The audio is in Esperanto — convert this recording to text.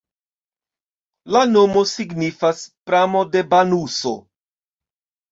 La nomo signifas: pramo-de-banuso.